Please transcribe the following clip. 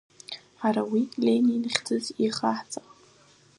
Ҳара уи Ленин хьӡыс иахаҳҵап.